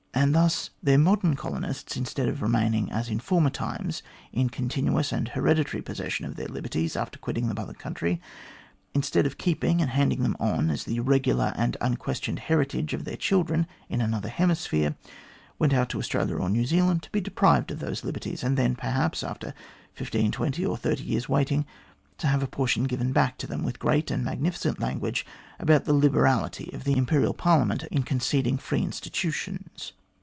And thus their modern colonists, instead of remaining as in former times, in continuous and hereditary possession of their liberties after quitting the Mother Country; instead of keeping and handing them on as the regular and unquestioned heritage of their children in another hemisphere, went out to Australia or New Zealand to be deprived of those liberties, and then, perhaps, after fifteen, twenty, or thirty years' waiting, to have a portion given back to them with great and magnificent language about the liberality of the Imperial Parliament in conceding free institutions.